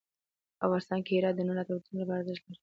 افغانستان کې هرات د نن او راتلونکي لپاره ارزښت لري.